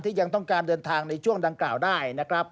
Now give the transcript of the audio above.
ยังต้องการเดินทางในช่วงดังกล่าวได้นะครับ